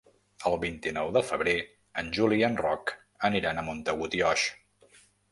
El vint-i-nou de febrer en Juli i en Roc aniran a Montagut i Oix.